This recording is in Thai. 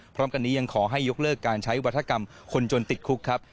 พร้อมกันนี้ยังขอให้ยกเลิกการใช้วัฒกรรมคนจนติดคุกครับ